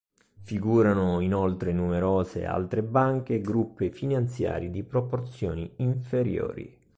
Figurano inoltre numerose altre banche e gruppi finanziari di proporzioni inferiori.